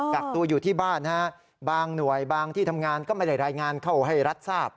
กักตัวอยู่ที่บ้านบางหน่วยบางที่ทำงานก็ไม่ได้รายงานเข้าให้รัฐทราบ